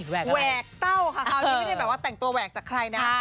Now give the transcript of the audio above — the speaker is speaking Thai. แหวกเต้าค่ะคราวนี้ไม่ได้แบบว่าแต่งตัวแหวกจากใครนะ